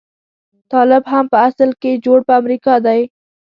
طالب هم په اصل کې جوړ په امريکا دی.